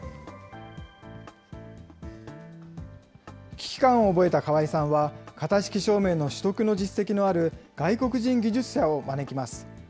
危機感を覚えた川井さんは、型式証明の取得の実績のある外国人技術者を招きます。